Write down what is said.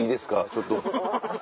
ちょっと。